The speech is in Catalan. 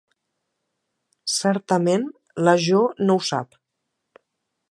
Certament, la Jo no ho sap.